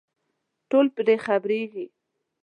ټول پرې خبرېږي.